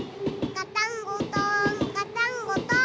ガタンゴトンガタンゴトン。